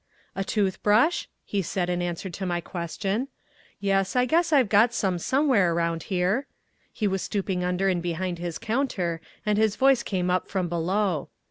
"A toothbrush?" he said in answer to my question. "Yes, I guess I've got some somewhere round here." He was stooping under and behind his counter and his voice came up from below.